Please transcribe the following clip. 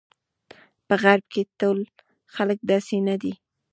په غرب کې ټول خلک داسې نه دي.